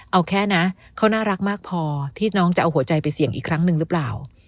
เอาแค่นะเขาน่ารักมากพอที่น้องจะเอาหัวใจไปเสี่ยงอีกครั้งหนึ่งหรือเปล่า